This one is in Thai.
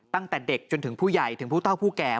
ตั้งแต่เด็กจนถึงผู้ใหญ่ถึงผู้เท่าผู้แก่